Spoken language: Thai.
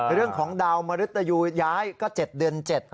เรื่องของดาวมริตยูย้ายก็๗เดือน๗